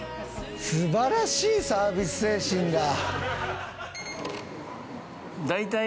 すばらしいサービス精神だ。